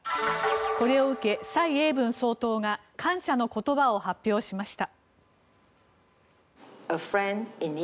これを受け、蔡英文総統が感謝の言葉を発表しました。